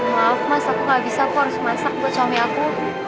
maaf mas aku gak bisa aku harus masak buat suami aku